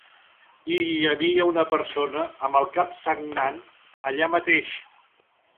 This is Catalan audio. I hi havia una persona amb el cap sagnant allà mateix.